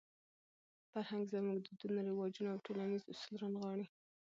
فرهنګ زموږ دودونه، رواجونه او ټولنیز اصول رانغاړي.